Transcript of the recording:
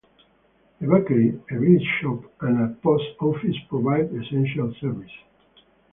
A bakery, a village shop and a post office provide essential services.